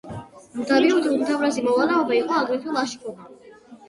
მდაბიოთა უმთავრესი მოვალეობა იყო აგრეთვე ლაშქრობა.